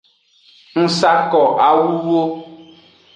Ng sa ko awuwo.